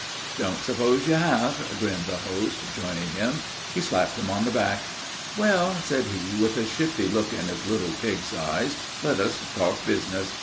"Don't suppose you have," grinned the host, joining him. He slapped him on the back. "Well," said he, with a shifty look in his little pig's eyes, "let us talk business.